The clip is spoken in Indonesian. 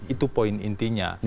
itu poin intinya